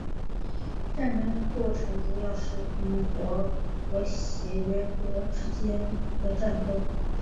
战争过程主要是同盟国和协约国之间的战斗。